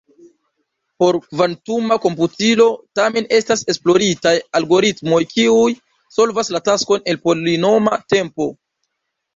Por kvantuma komputilo, tamen, estas esploritaj algoritmoj kiuj solvas la taskon en polinoma tempo.